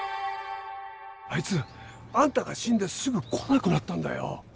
あいつあんたが死んですぐ来なくなったんだよ。